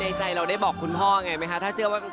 ในใจเราได้บอกคุณพ่อไงไหมคะถ้าเชื่อว่า